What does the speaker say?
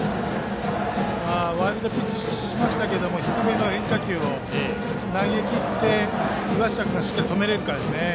ワイルドピッチをしましたが低めの変化球を投げ切って、岩下君がしっかり止めれるかですね。